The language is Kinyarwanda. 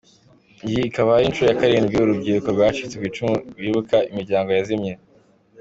Iyi ikaba ari inshuro ya karindwi uru rubyiruko rwacitse ku icumu rwibuka imiryango yazimye.